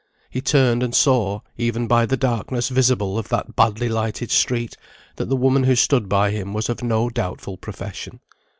He turned, and saw, even by the darkness visible of that badly lighted street, that the woman who stood by him was of no doubtful profession.